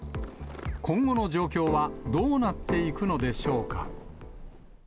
今後の状況はどうなっていくのでしょうか。